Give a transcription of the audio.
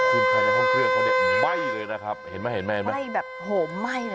คุณภายในห้องเครื่องเขาเนี่ยไหม้เลยนะครับเห็นไหมเห็นไหมไหม้แบบโหมไหม้เลย